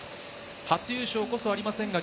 初優勝こそありませんが、